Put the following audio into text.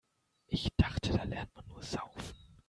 Ich dachte, da lernt man nur Saufen.